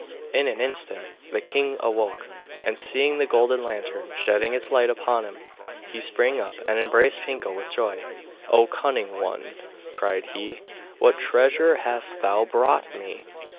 In an instant the king awoke, and seeing the golden lantern shedding its light upon him, he sprang up, and embraced Pinkel with joy. 'O cunning one,' cried he, 'what treasure hast thou brought me!